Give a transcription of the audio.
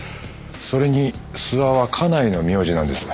それに須波は家内の名字なんです。